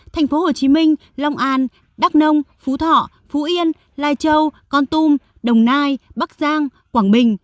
tp hcm long an đắk nông phú thọ phú yên lai châu con tum đồng nai bắc giang quảng bình